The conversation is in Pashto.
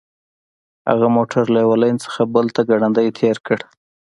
هغه موټر له یوه لین څخه بل ته ګړندی تیر کړ